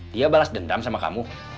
dia balas dendam sama kamu